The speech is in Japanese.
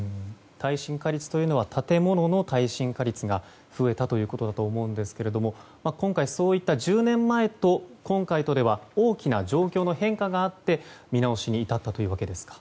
耐震化率というのは建物の耐震化率が増えたということだと思うんですけれども１０年前と今回とでは大きな状況の変化があって見直しに至ったというわけですか。